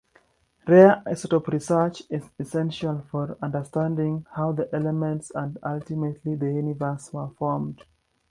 Rare isotope research is essential for understanding how the elements-and ultimately the universe-were formed.